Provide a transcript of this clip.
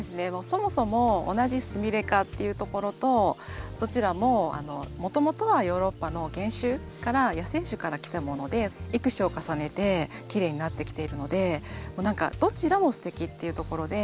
そもそも同じスミレ科っていうところとどちらももともとはヨーロッパの原種から野生種からきたもので育種を重ねてきれいになってきているので何かどちらもすてきっていうところで。